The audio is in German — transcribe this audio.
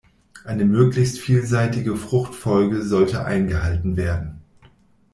Eine möglichst vielseitige Fruchtfolge sollte eingehalten werden.